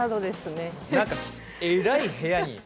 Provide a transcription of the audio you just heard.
何かえらい部屋に。